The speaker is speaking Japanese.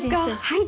はい。